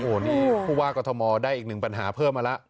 โอ้โหนี่ผู้ว่ากรทมได้อีกหนึ่งปัญหาเพิ่มมาแล้ว